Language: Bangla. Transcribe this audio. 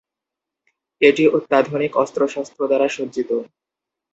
এটি অত্যাধুনিক অস্ত্রশস্ত্র দ্বারা সজ্জিত।